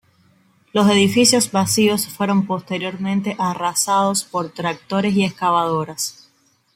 Los edificios vacíos fueron posteriormente arrasados por tractores y excavadoras.